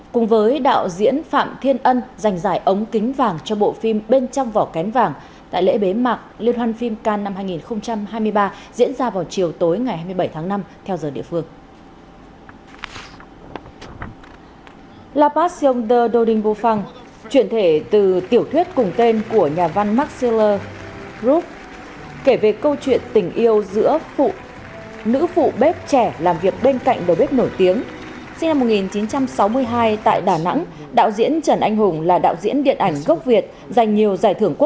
cùng với đạo diễn phạm thiên ân giành giải ống kính vàng cho bộ phim bên trong vỏ kén vàng tại lễ bế mạc liên hoan phim cannes năm hai nghìn hai mươi ba diễn ra vào chiều tối ngày hai mươi bảy tháng năm theo giờ địa phương